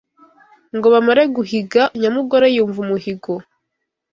Ngo bamare guhiga nyamugore yumva umuhigo